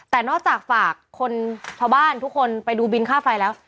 แต่นอกจากฝากคนชาวบ้านทุกคนไปดูบินค่าไฟแล้ว